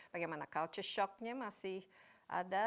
bagaimana culture shocknya masih ada